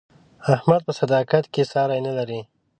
احمد په صداقت کې ساری نه لري.